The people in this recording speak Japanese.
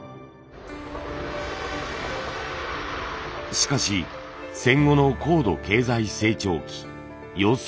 しかし戦後の高度経済成長期様相は一変。